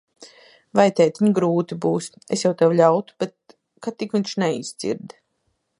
Vai, tētiņ, grūti būs. Es jau tev ļautu, bet ka tik viņš neizdzird.